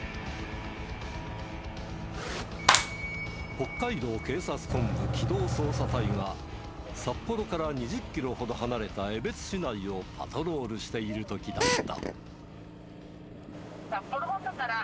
北海道警察本部機動捜査隊が札幌から２０キロほど離れた江別市内をパトロールしている時だった。